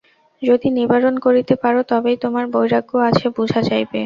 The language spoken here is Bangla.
যদি নিবারণ করিতে পার, তবেই তোমার বৈরাগ্য আছে, বুঝা যাইবে।